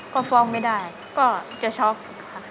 ก็ฟ้องไม่ได้ก็จะช็อกค่ะ